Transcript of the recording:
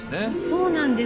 そうなんです。